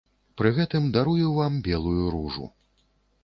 Пры гэтым дарую вам белую ружу.